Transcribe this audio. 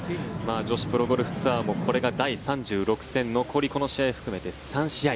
女子プロゴルフツアーもこれが第３６戦残りこの試合を含めて３試合。